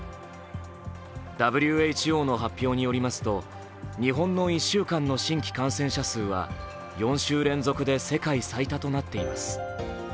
ＷＨＯの発表によりますと日本の１週間の新規感染者数は４週連続で世界最多となっています。